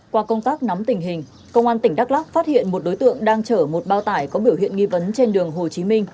qua công tác nắm tình hình công an tỉnh đắk lắc phát hiện một đối tượng đang chở một bao tải có biểu hiện nghi vấn trên đường hồ chí minh